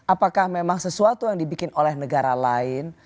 apakah memang sesuatu yang dibikin oleh negara lain